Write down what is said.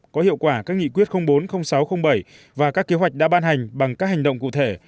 có hiệu quả các nghị quyết bốn sáu trăm linh bảy và các kế hoạch đã ban hành bằng các hành động cụ thể